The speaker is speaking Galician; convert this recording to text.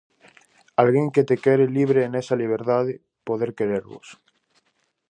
Alguén que te quere libre e nesa liberdade, poder querervos.